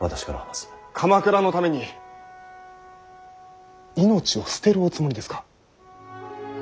鎌倉のために命を捨てるおつもりですか。